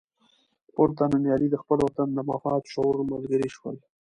پورته نومیالي د خپل وطن د مفاد شعور ملګري شول.